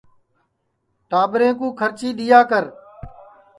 ٹاٻریں کُو کھرچی دؔیا کر